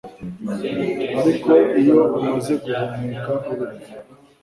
Ariko iyo umaze guhumeka urupfu